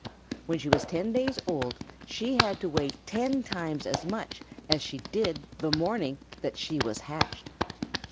When she was ten days old she had to weigh ten times as much as she did the morning that she was hatched.